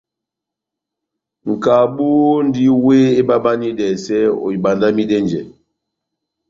Nʼkabu múndi wéh ebabanidɛsɛ ohibandamidɛnjɛ.